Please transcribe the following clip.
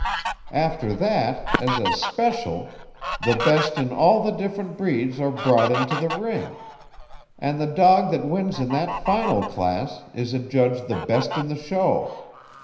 After that as a 'special' the best in all the different breeds are brought into the ring. And the dog that wins in that final class is adjudged the 'best in the show.'